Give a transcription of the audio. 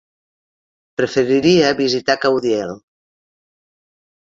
Preferiria visitar Caudiel.